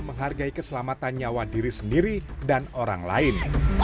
menghargai keselamatan nyawa diri sendiri dan orang lain